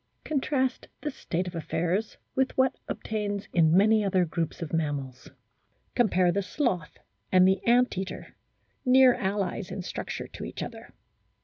Contrast this state of affairs with what obtains in many other groups of mammals. Compare the sloth and the ant eater, near allies in structure to each other.